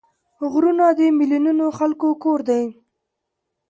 غرونه د میلیونونو خلکو کور دی